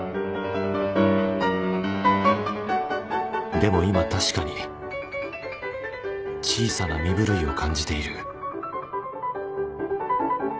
でも今確かに小さな身震いを感じている